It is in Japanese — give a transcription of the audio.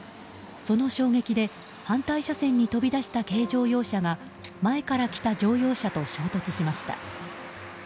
その衝撃で反対車線に飛び出した軽乗用車が前から来た乗用車と衝突しました。